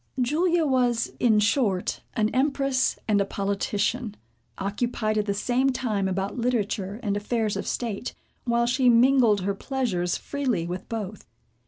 Julia was, in short, an empress and a politician, occupied at the same time about literature, and affairs of state, while she mingled her pleasures freely with both.